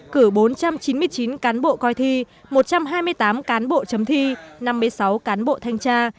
cử bốn trăm chín mươi chín cán bộ coi thi một trăm hai mươi tám cán bộ chấm thi năm mươi sáu cán bộ thanh tra